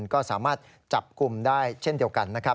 ก็สามารถจับกลุ่มได้เช่นเดียวกันนะครับ